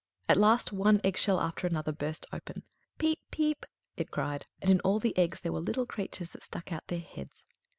At last one egg shell after another burst open. "Piep! piep!" it cried, and in all the eggs there were little creatures that stuck out their heads.